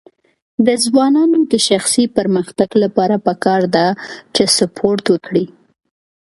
د ځوانانو د شخصي پرمختګ لپاره پکار ده چې سپورټ وکړي.